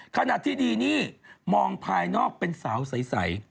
ขณะที่ดีนี่มองภายนอกเป็นสาวใส